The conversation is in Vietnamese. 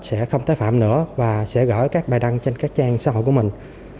sẽ không tái phạm nữa và sẽ gửi các bài đăng trên các trang xã hội của mình